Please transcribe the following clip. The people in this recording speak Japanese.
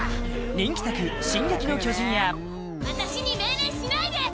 人気作「進撃の巨人」や私に命令しないで！